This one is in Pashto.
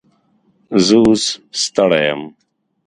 زه اوس ستړی یم